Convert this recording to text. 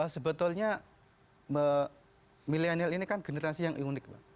sebetulnya milenial ini kan generasi yang unik